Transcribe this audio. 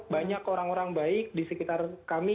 banyak orang orang baik di sekitar kami